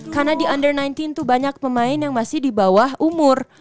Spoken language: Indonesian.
karena di under sembilan belas tuh banyak pemain yang masih di bawah umur